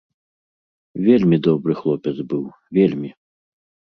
Вельмі добры хлопец быў, вельмі.